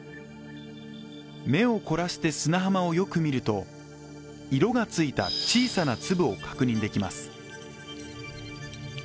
目を凝らして砂浜をよく見ると色がついた小さな粒を確認できます。